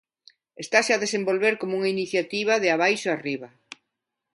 Estase a desenvolver como unha iniciativa de abaixo a arriba.